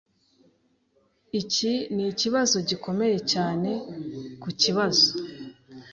Iki nikibazo gikomeye cyane kukibazo.